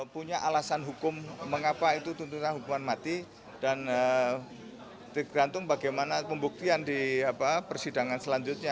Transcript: punya alasan hukum mengapa itu tuntutan hukuman mati dan tergantung bagaimana pembuktian di persidangan selanjutnya